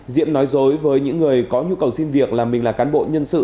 diệm nói dối với những người có nhu cầu xin việc là mình là cán bộ nhân sự